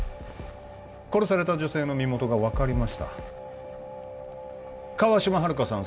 殺された女性の身元が分かりました川島春香さん